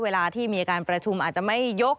เวลาที่มีการประชุมอาจจะไม่ยก